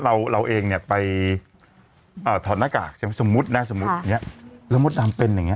เราเราเองเนี่ยไปถอดหน้ากากใช่ไหมสมมุตินะสมมุติเนี้ยแล้วมดดำเป็นอย่างเง